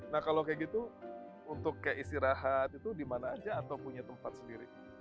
nah kalau kayak gitu untuk kayak istirahat itu dimana aja atau punya tempat sendiri